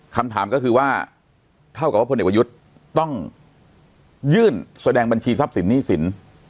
คำถามก็คือว่าเท่ากับพยต้องยื่นแสดงบัญชีทรัพย์สินหนี้สิน